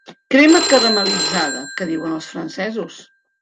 Crema caramel·litzada, que diuen els francesos.